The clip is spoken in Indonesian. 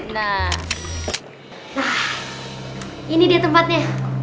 nah ini deh tempatnya